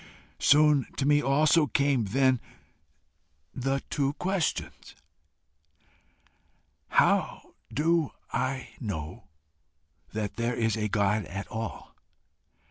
Soon to me also came then the two questions: HOW DO I KNOW THAT THERE IS A GOD AT ALL?